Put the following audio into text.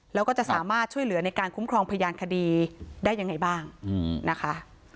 แล้วก็จะสามารถช่วยเหลือในการคุ้มครองพยานคดีได้ยังไงบ้างนะคะ